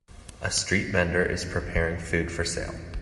A street vendor is preparing food for sale.